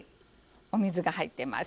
お水が入っています。